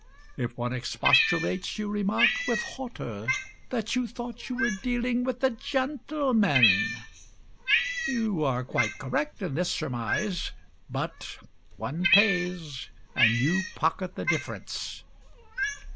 If one expostulates, You remark With hauteur That you thought you were dealing with a gentleman. You are quite correct in this surmise. But One pays, And you pocket the difference.